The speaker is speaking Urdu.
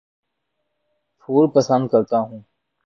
پھول پسند کرتا ہوں